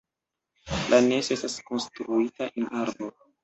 La nesto estas konstruita en arbo.